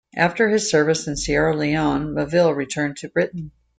After his service in Sierra Leone, Melville returned to Britain.